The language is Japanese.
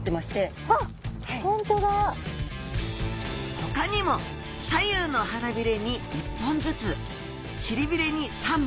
ほかにも左右の腹びれに１本ずつ尻びれに３本。